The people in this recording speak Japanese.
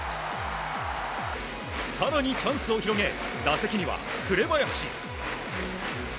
更にチャンスを広げ打席には紅林。